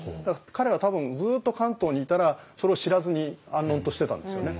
彼は多分ずっと関東にいたらそれを知らずに安穏としてたんですよね。